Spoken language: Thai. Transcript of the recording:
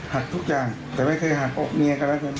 หักทุกอย่างแต่ไม่เคยหักอกเมียกันแล้ว